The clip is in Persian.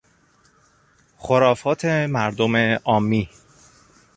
خرافات مردم عامی